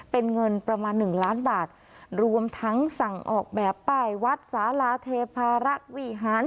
เป็นเงินประมาณหนึ่งล้านบาทรวมทั้งสั่งออกแบบป้ายวัดสาลาเทพารักษ์วิหาร